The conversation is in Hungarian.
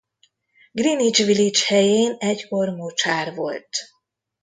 Greenwich Village helyén egykor mocsár volt.